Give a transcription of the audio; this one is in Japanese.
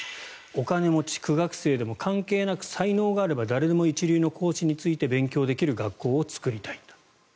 お金持ち、苦学生でも関係なく才能があれば誰でも一流の講師について勉強できる学校を作りたいんだと。